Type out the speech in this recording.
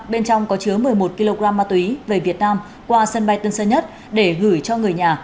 bên trong có chứa một mươi một kg ma túy về việt nam qua sân bay tân sơn nhất để gửi cho người nhà